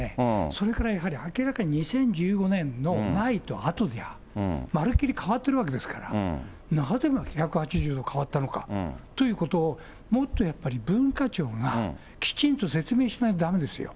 それから明らかに２０１５年の前と後じゃ、まるきり変わってるわけだから、なぜ１８０度変わったのかということ、もっとやっぱり文化庁がきちんと説明しないとだめですよ。